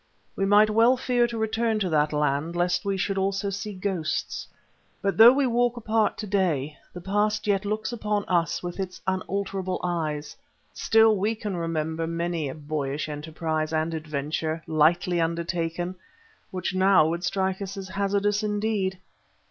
We might well fear to return to that land lest we also should see ghosts. But though we walk apart to day, the past yet looks upon us with its unalterable eyes. Still we can remember many a boyish enterprise and adventure, lightly undertaken, which now would strike us as hazardous indeed.